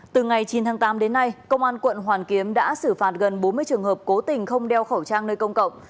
từ ngày chín tháng tám đến nay công an quận hoàn kiếm đã xử phạt gần bốn mươi trường hợp cố tình không đeo khẩu trang nơi công cộng